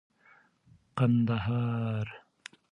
کندهارى